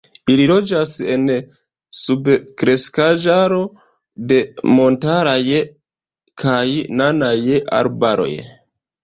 Ili loĝas en subkreskaĵaro de montaraj kaj nanaj arbaroj.